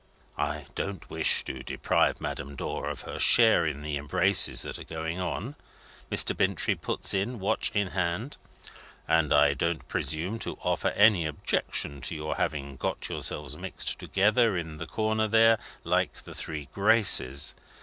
"I don't wish to deprive Madame Dor of her share in the embraces that are going on," Mr. Bintrey puts in, watch in hand, "and I don't presume to offer any objection to your having got yourselves mixed together, in the corner there, like the three Graces.